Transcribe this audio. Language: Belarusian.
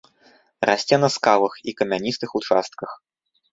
Расце на скалах і камяністых участках.